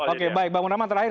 oke baik bangunan terakhir